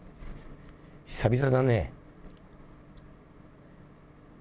久々だね。